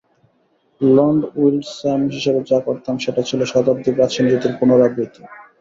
Lord Windlesham হিসেবে যা করতাম সেটা ছিল শতাব্দী প্রাচীন রীতির পুনরাবৃত্তি।